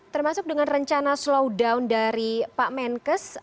termasuk dengan rencana slow down dari pak menkes